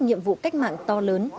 nhiệm vụ cách mạng to lớn